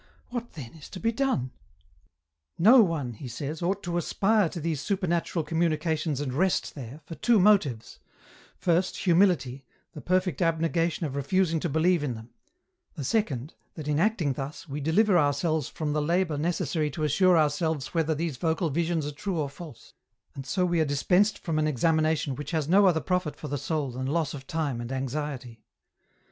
What then is to be done ?"' No one,' he says, ' ought to aspire to these supernatural communications and rest there, for two motives ; first, humility, the perfect abnegation of refusing to believe in them ; the second, that in acting thus, we deliver ourselves from the labour necessary to assure ourselves whether these vocal visions are true or false, and so we are dispensed from an examination which has no other profit for the soul than loss of time and anxiety.